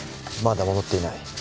まだ戻っていない。